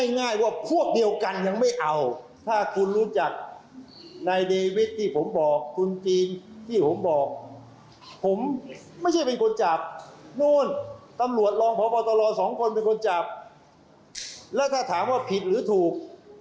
นี่นู่นตำรวจลองพอปอตร๒คนเป็นคนจับแล้วถ้าถามว่าผิดหรือถูก